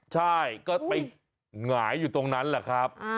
ใช่ก็ไปหงายอยู่ตรงนั้นแหละครับ